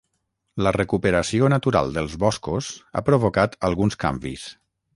La recuperació natural dels boscos ha provocat alguns canvis.